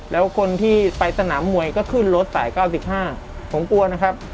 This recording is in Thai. แล้วคนที่ไปสนามมวยก็ขึ้นรถสาย๙๕ผมกลัวนะครับ